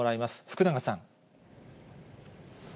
福永さん。